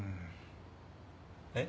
えっ？